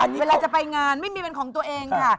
เวลาจะไปงานไม่มีเป็นของตัวเองค่ะ